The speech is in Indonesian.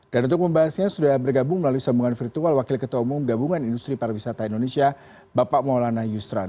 dan untuk membahasnya sudah bergabung melalui sambungan virtual wakil ketua umum gabungan industri pariwisata indonesia bapak maulana yusran